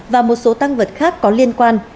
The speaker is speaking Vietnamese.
và một số tăng vật khác có liên quan